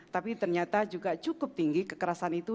tapi ternyata juga cukup tinggi kekerasan itu